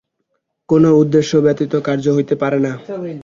কোন উদ্দেশ্য ব্যতীত কার্য হইতে পারে না।